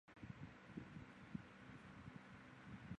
是寒士韩翃与李生之婢妾柳氏的故事。